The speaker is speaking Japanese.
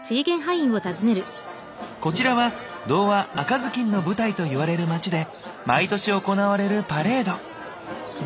こちらは童話「赤ずきん」の舞台と言われる街で毎年行われるパレード。